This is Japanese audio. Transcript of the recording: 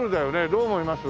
どう思います？